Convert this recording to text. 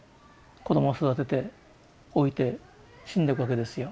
子供を育てて老いて死んでいくわけですよ。